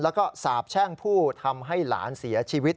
แล้วก็สาบแช่งผู้ทำให้หลานเสียชีวิต